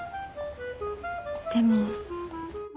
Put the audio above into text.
でも。